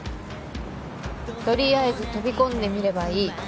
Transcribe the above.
とりあえず飛び込んでみればいい